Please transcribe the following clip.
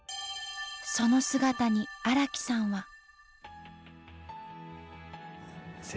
その姿に荒木さんは。